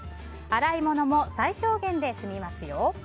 洗い物も最小限で済みますよ。